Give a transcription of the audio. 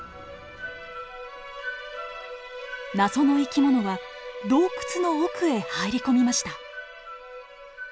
謎の生き物は洞窟の奥へ入り込みました。